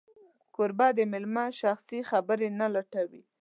کوربه د مېلمه شخصي خبرې نه لټوي.